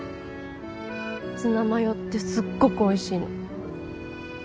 ツナマヨってすっごくおいしいの。